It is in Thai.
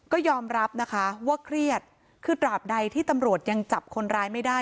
ก็ยอมรับนะคะว่าเครียดคือตราบใดที่ตำรวจยังจับคนร้ายไม่ได้